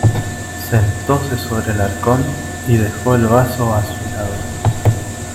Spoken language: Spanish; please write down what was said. sentóse sobre el arcón, y dejó el vaso a su lado: